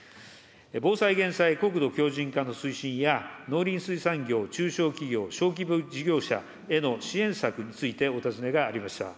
防災・減災、国土強じん化の推進や、農林水産業、中小企業、小規模事業者への支援策についてお尋ねがありました。